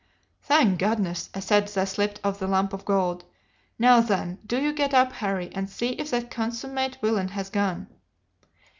"'Thank goodness!' I said, as I slipped off the lump of gold. 'Now, then, do you get up, Harry, and see if that consummate villain has gone.